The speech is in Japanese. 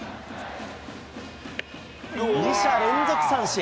２者連続三振。